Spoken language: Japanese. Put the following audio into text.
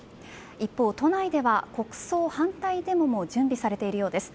一方、都内では国葬反対デモも準備されているようです。